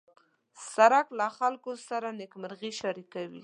سړک له خلکو سره نېکمرغي شریکوي.